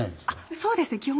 あっそうですね。